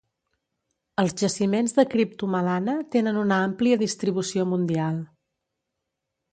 Els jaciments de criptomelana tenen una àmplia distribució mundial.